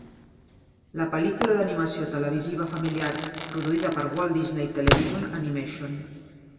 La pel·lícula d'animació televisiva familiar produïda per Walt Disney Television Animation.